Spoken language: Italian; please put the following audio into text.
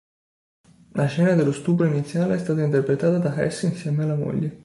La scena dello stupro iniziale è stata interpretata da Hess insieme alla moglie.